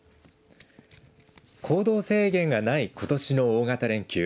行動制限がないことしの大型連休